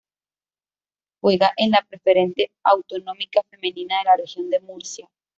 Juega en la Preferente Autonómica Femenina de la Región de Murcia